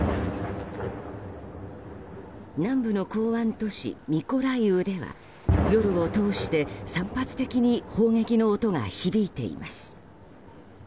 南部の港湾都市ミコライウでは夜を通して散発的に攻撃の音が響いています。